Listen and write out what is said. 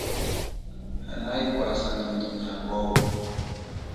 Hanayi kwasa ndhundhu nyakowo.